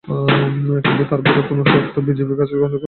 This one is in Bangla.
কিন্তু তার বাইরে নতুন কোনো শর্ত বিজেপির কাছে গ্রহণযোগ্য হবে না।